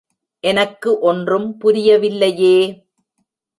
எனக்கு ஒன்றும் புரிய வில்லையே!